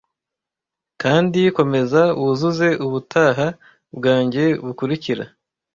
Kandi komeza wuzuze ubutaha bwanjye bukurikira.